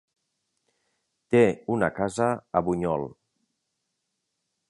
Té una casa a Bunyol.